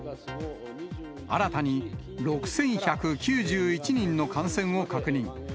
新たに６１９１人の感染を確認。